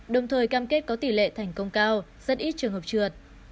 đồng thời cam kết có tỷ lệ thành công cao rất ít trường hợp trượt